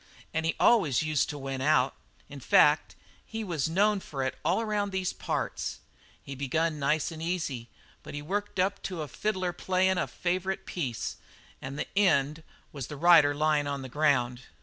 An' he always used to win out. In fact, he was known for it all around these parts. He begun nice and easy, but he worked up like a fiddler playin' a favourite piece, and the end was the rider lyin' on the ground.